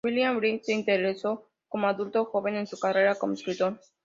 William Wright se interesó como adulto joven en su carrera como escritor.